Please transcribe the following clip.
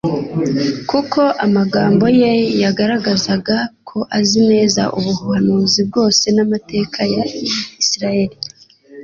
kuko amagambo ye yagaragazaga ko azi neza ubuhanuzi bwose n'amateka bya lsirayeli.